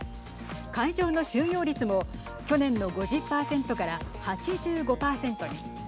会場の収容率も去年の５０％から８５％に。